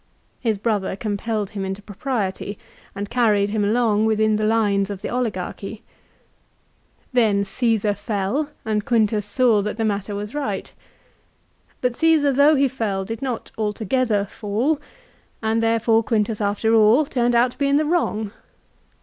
His brother compelled him into propriety, and carried him along within the lines of the oligarchy. Then Csesar fell, and Quintus saw that the matter was right. But Caesar though he fell, did not altogether fall, and therefore Quintus after all turned out to be in the wrong.